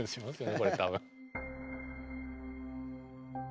これ多分。